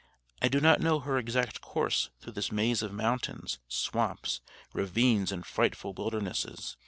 I do not know her exact course through this maze of mountains, swamps, ravines, and frightful wildernesses.